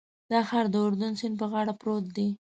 دا ښار د اردن سیند په غاړه پروت دی.